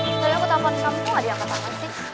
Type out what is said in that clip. hei seharian aku telfon sama kamu nggak diangkat sama sih